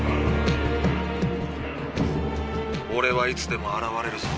オレはいつでも現れるぞ。